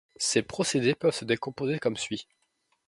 Ces procédés peuvent se décomposer comme suit.